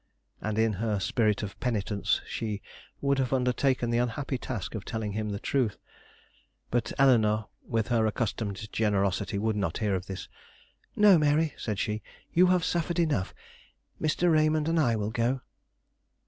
And, in her spirit of penitence, she would have undertaken the unhappy task of telling him the truth. But Eleanore, with her accustomed generosity, would not hear of this. "No, Mary," said she; "you have suffered enough. Mr. Raymond and I will go."